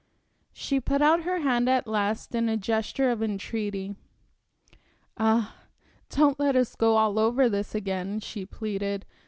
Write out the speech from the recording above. She put out her hand at last in a gesture of entreaty. "Ah, don't let us go all over this again," she pleaded.